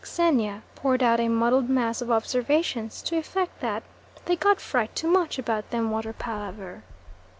Xenia poured out a muddled mass of observations to the effect that "they got fright too much about them water palaver."